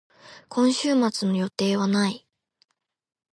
今週末の予定はない。